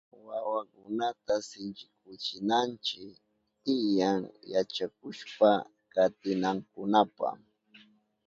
Wawakunata sinchikuchinanchi tiyan yachakushpa katinankunapa.